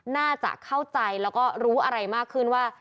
น่าจะเข้าใจแล้วก็รู้อะไรมากขึ้นว่า